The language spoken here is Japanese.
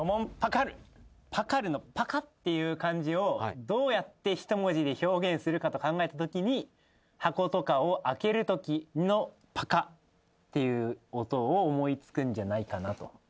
「パカる」の「パカ」っていう漢字をどうやって１文字で表現するかと考えたときに箱とかを開けるときの「パカ」っていう音を思い付くんじゃないかなと。